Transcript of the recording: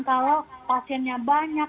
kalau pasiennya banyak